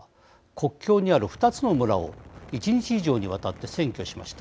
国境にある２つの村を１日以上にわたって占拠しました。